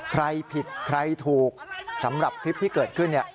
ใครผิดใครถูกสำหรับคลิปที่เกิดขึ้น